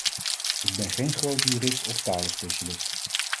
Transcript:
Ik ben geen groot jurist of talenspecialist.